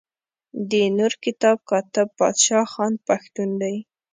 د نور کتاب کاتب بادشاه خان پښتون دی.